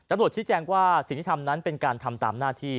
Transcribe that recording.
ชี้แจงว่าสิ่งที่ทำนั้นเป็นการทำตามหน้าที่